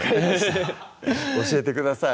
ハハハ教えてください